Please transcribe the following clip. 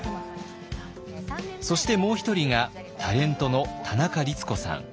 そしてもう一人がタレントの田中律子さん。